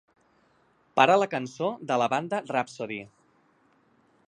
Para la cançó de la banda Rhapsody.